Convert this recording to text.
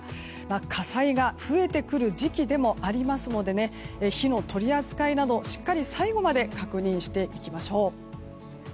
火災が増えてくる時期でもありますので火の取り扱いなどしっかり最後まで確認していきましょう。